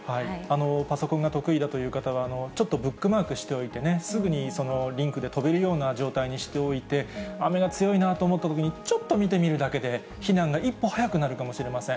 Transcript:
パソコンが得意だという方は、ちょっとブックマークしておいてね、すぐにそのリンクで飛べるような状態にしておいて、雨が強いなと思ったときに、ちょっと見てみるだけで、避難が一歩早くなるかもしれません。